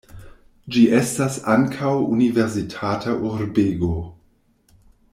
Ĝi estas ankaŭ universitata urbego.